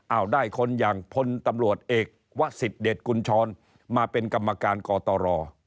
เอ้าได้คนอย่างพลตำรวจเอกวะศิษย์เดชคุณช้อนมาเป็นกตร